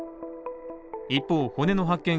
一方、骨の発見